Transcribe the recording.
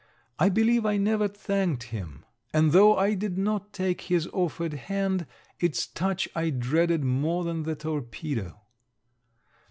I believe I never thanked him; and though I did not take his offered hand, its touch I dreaded more than the torpedo.